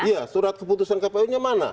iya surat keputusan kpu nya mana